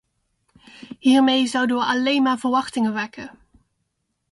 Hiermee zouden we alleen maar verwachtingen wekken.